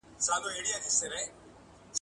دلته له ورځي سره لمر لکه شېبه ځلیږي ..